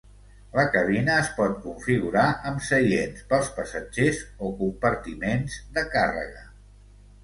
La cabina es pot configurar amb seients pels passatgers o compartiments de càrrega.